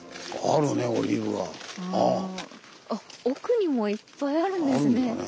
奥にもいっぱいあるんですね。